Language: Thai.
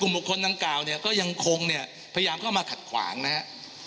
กลุ่มหกคนต่างกล่าวก็ยังคงพยายามเข้ามาขัดขวางนะครับ